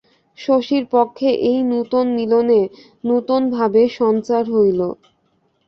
শশীর পক্ষে এই নূতন মিলনে নূতন ভাবের সঞ্চার হইল।